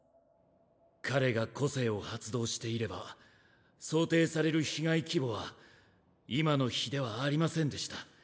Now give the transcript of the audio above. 彼が個性を発動していれば想定される被害規模は今の比ではありませんでした。